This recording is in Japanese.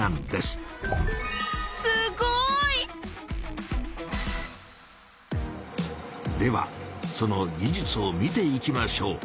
すごい！ではその技術を見ていきましょう。